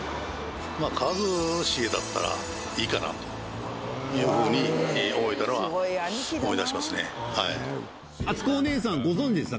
まあ、一茂だったらいいかなというふうに思えたのは、あつこお姉さん、ご存じでした？